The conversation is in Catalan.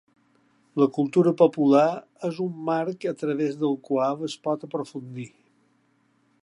La cultura popular és un marc a través del qual es pot aprofundir.